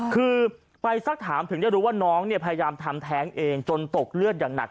คือไปสักถามถึงได้รู้ว่าน้องเนี่ยพยายามทำแท้งเองจนตกเลือดอย่างหนัก